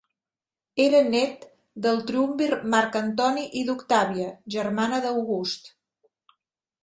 Era nét del triumvir Marc Antoni i d'Octàvia, germana d'August.